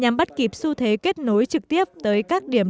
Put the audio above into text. nhằm bắt kịp xu thế kết nối trực tiếp tới các điểm